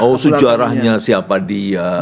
oh sejarahnya siapa dia